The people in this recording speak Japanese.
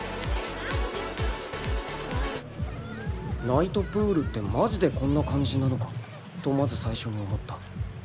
［ナイトプールってマジでこんな感じなのかとまず最初に思った］